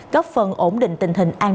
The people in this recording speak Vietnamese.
góp phần ổn định tình hình an ninh trực tự